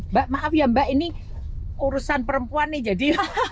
mbak maaf ya mbak ini urusan perempuan nih jadi